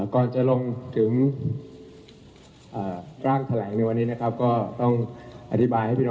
ก่อนจะลงถึงร่างแถลกก็ต้องอธิบายว่า